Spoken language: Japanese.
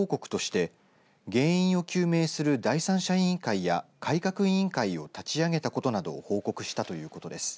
法人によりますと中間報告として原因を究明する第三者委員会や改革委員会を立ち上げたことなどを報告したということです。